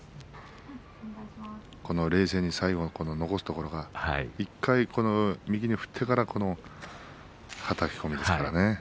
冷静に最後残すところが１回右に振ってからはたき込みですからね。